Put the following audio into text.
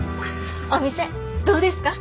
お店どうですか？